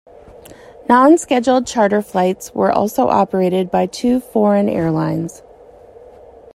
Non-scheduled charter flights were also operated by two foreign airlines.